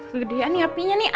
kegedean nih apinya nih